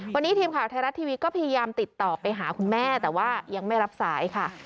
วันนี้ทีมข่าวไทยรัฐทีวีก็พยายามติดต่อไปหาคุณแม่แต่ว่ายังไม่รับสายค่ะ